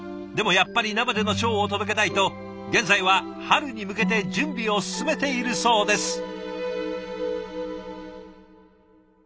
でもやっぱり生でのショーを届けたいと現在は春に向けて準備を進めているそうです。